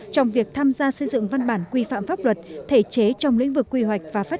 trong việc tham gia xây dựng văn bản quy phạm pháp luật thể chế trong lĩnh vực quy hoạch và phát